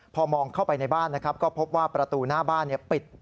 พอมองเข้าไปในบ้านนะครับก็พบว่าประตูหน้าบ้านปิด